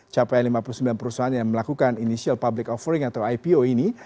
capaian lima puluh sembilan perusahaan yang melakukan initial public offering atau ipo ini